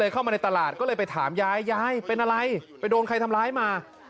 เข้ามาในตลาดก็เลยไปถามยายยายเป็นอะไรไปโดนใครทำร้ายมา